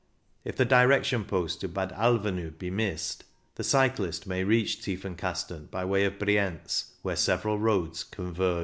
If che direction post to Bad Alvaneu be missed, the cyclist may reach Tiefenkasten by way of Brienz, where several roads converge.